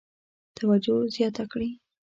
توجه زیاته کړي.